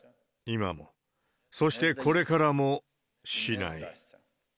今も、そしてこれからも、しない。